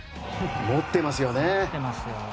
持っていますよね。